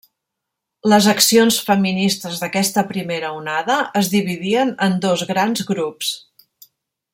Les accions feministes d'aquesta primera onada es dividien en dos grans grups.